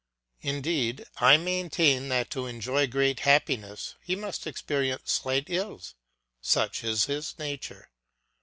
Indeed I maintain that to enjoy great happiness he must experience slight ills; such is his nature.